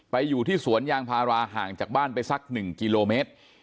อยู่ที่สวนยางพาราห่างจากบ้านไปสัก๑กิโลเมตร